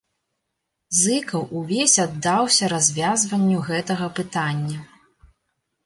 Зыкаў увесь аддаўся развязванню гэтага пытання.